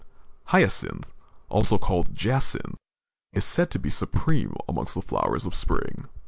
_ Hyacinth, also called Jacinth, is said to be "supreme amongst the flowers of spring."